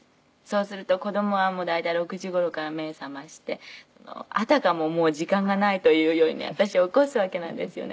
そうすると子供は大体６時頃から目覚ましてあたかも時間がないというように私を起こすわけなんですよね。